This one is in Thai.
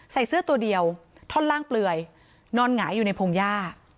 ใส่เสื้อตัวเดียวท่อนล่างเปลือยนอนหงายอยู่ในพงหญ้า